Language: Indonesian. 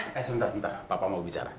eh sebentar papa mau bicara